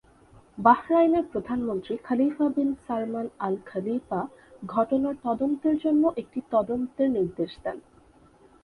বাহরাইনের প্রধানমন্ত্রী Khalifa bin Salman Al Khalifa ঘটনার তদন্তের জন্য একটি তদন্তের নির্দেশ দেন।